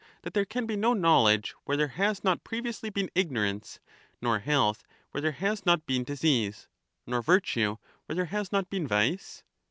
— that there can be no knowledge where there has not previously been ignorance, nor health where there has not been disease, nor virtue where there has not been vice?